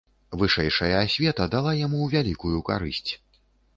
Вышэйшая асвета дала яму вялікую карысць.